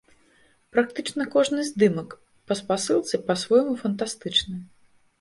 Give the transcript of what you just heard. Практычна кожны здымак па спасылцы па-свойму фантастычны.